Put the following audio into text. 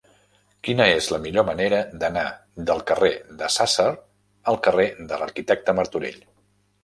Quina és la millor manera d'anar del carrer de Sàsser al carrer de l'Arquitecte Martorell?